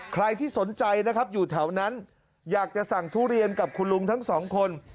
ใครที่สนใจนะครับอยู่แถวนั้นอยากจะสั่งทุเรียนกับคุณลุงทั้งสองคน